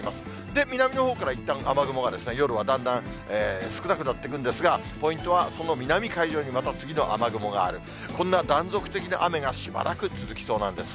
で、南のほうからいったん雨雲が夜はだんだん少なくなってくるんですが、ポイントはその南海上にまた次の雨雲がある、こんな断続的な雨がしばらく続きそうなんです。